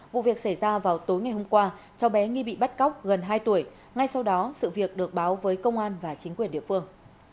vụ việc xảy ra vào tối ngày hôm qua cháu bé nghi bị bắt cóc gần hai tuổi ngay sau đó sự việc được báo với công an và chính quyền địa phương